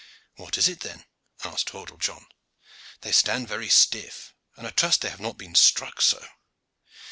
"What is it then?" asked Hordle John. "They stand very stiff, and I trust that they have not been struck so."